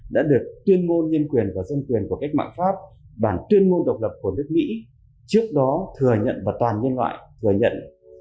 đã được tuyên ngôn nhân quyền và dân quyền của cách mạng pháp bản tuyên ngôn độc lập của nước mỹ trước đó thừa nhận và toàn nhân loại thừa nhận